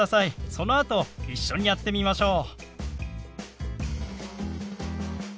そのあと一緒にやってみましょう。